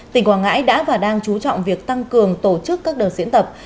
tỉnh quảng ngãi đã và đang chú trọng việc tăng cường tổ chức các đợt diễn tập